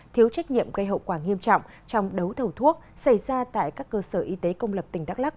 thiếu trách nhiệm gây hậu quả nghiêm trọng trong đấu thầu thuốc xảy ra tại các cơ sở y tế công lập tỉnh đắk lắc